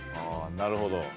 なるほど。